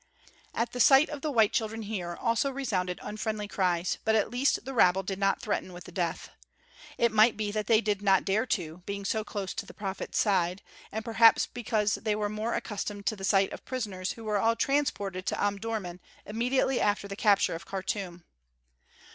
At the sight of the white children here also resounded unfriendly cries, but at least the rabble did not threaten with death. It may be that they did not dare to, being so close to the prophet's side, and perhaps because they were more accustomed to the sight of prisoners who were all transported to Omdurmân immediately after the capture of Khartûm.